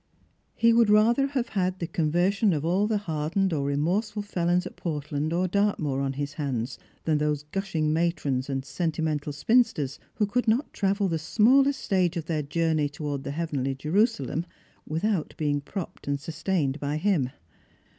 He would rather have had the conver sion of all the hardened or remorseful felons at Portland or Dartmoor on his hands than those gushing matrons and senti •aiental spinsters, who could not travel the smallest stage of their journey towards the heavenly Jerusalem without being propped and sustained by him.